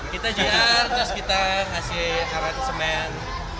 kita gr terus kita kasih karet semen